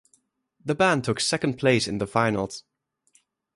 The band took second place in the finals.